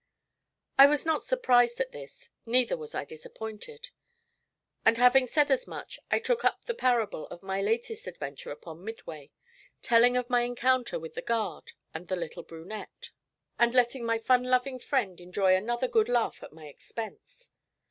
I was not surprised at this, neither was I disappointed; and having said as much, I took up the parable of my latest adventure upon Midway, telling of my encounter with the guard and the little brunette, and letting my fun loving friend enjoy another good laugh at my expense.